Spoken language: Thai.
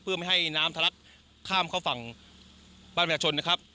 เพื่อไม่ให้น้ำทะลักข้ามเข้าฝั่งบ้านประชาชนนะครับ